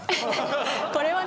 これはね